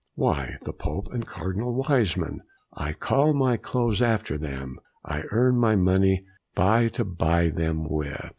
"Why the Pope and Cardinal Wiseman. I call my clothes after them I earn money by to buy them with.